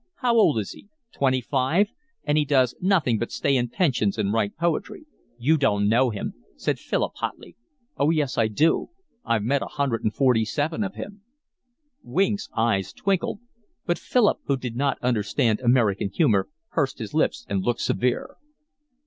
"How old is he? Twenty five? And he does nothing but stay in pensions and write poetry." "You don't know him," said Philip hotly. "Oh yes, I do: I've met a hundred and forty seven of him." Weeks' eyes twinkled, but Philip, who did not understand American humour, pursed his lips and looked severe.